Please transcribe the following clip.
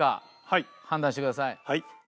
はい。